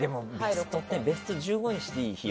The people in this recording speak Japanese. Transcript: ベスト１５にしていい？